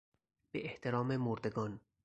به احترام مردگان